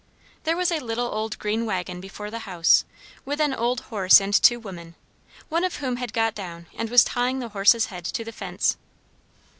There was a little old green waggon before the house, with an old horse and two women, one of whom had got down and was tying the horse's head to the fence.